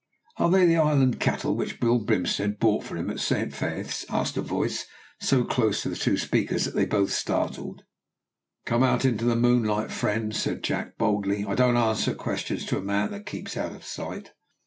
"Are they the highland cattle which Will Brinsmead bought for him at Saint Faith's?" asked a voice, so close to the two speakers that they both started. "Come out into the moonlight, friend," said Jack, boldly; "I don't answer questions to a man that keeps out of sight."